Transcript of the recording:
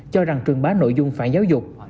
cho rằng trường bá nội dung phản giáo dục